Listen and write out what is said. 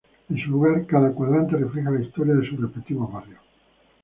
En su lugar, cada cuadrante refleja la historia de sus respectivos barrios.